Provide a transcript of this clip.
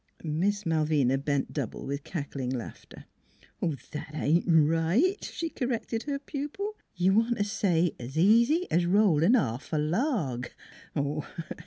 Miss Malvina bent double with cackling laughter. 'That ain't right," she corrected her pupil: 248 NEIGHBORS 249 " y' want t' say ' easy 's rollin' off a log.'